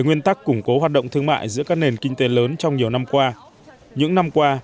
nguyên tắc củng cố hoạt động thương mại giữa các nền kinh tế lớn trong nhiều năm qua những năm qua